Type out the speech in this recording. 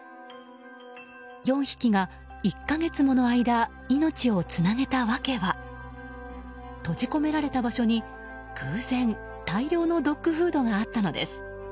４匹が１か月もの間命をつなげた訳は閉じ込められた場所に偶然、大量のドッグフードがあったのです。